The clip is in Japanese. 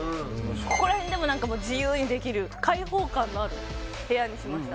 ここら辺でも何か自由にできる開放感のある部屋にしました